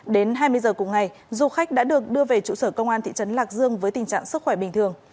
đến hai mươi giờ cùng ngày du khách đã được đưa về trụ sở công an thị trấn lạc dương với tình trạng sức khỏe bình thường